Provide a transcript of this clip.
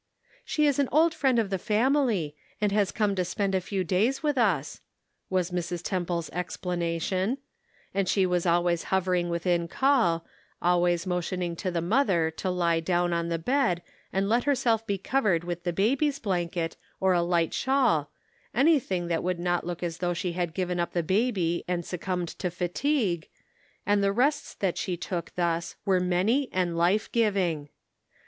" She is an old friend of the family, and has come to spend a few days with us," was Mrs. Temple's explanation; and she was al ways hovering within call, always motioning the mother to lie down on the bed and let herself be covered with the baby's blanket or a light shawl, anything that would not look as though she had given up the baby and suc cumbed to fatigue, and the rests that she took thus were many and life giving.